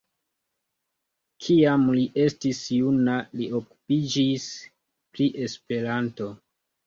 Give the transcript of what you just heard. Kiam li estis juna, li okupiĝis pri Esperanto.